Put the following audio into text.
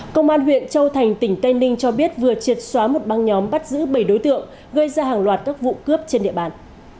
công an huyện châu thành tỉnh tây ninh cho biết vừa triệt xóa một băng nhóm bắt giữ bảy đối tượng gây ra hàng loạt các vụ cướp trên địa bàn